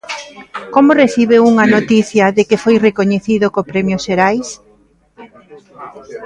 Como recibe un a noticia de que foi recoñecido co Premio Xerais?